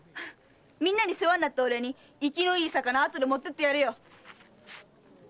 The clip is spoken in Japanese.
みんなに世話になったお礼に生きのいい魚後で持っていくよ。